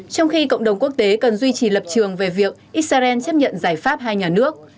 trong khi cộng đồng quốc tế cần duy trì lập trường về việc israel chấp nhận giải pháp hai nhà nước